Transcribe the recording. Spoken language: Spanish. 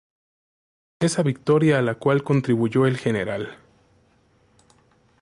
Esa victoria a la cual contribuyó el Gral.